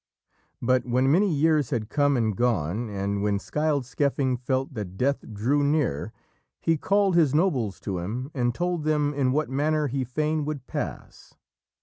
But when many years had come and gone, and when Scyld Scefing felt that death drew near, he called his nobles to him and told them in what manner he fain would pass.